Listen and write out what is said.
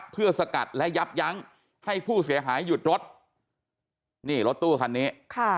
เพื่อสกัดและยับยั้งให้ผู้เสียหายหยุดรถนี่รถตู้คันนี้ค่ะ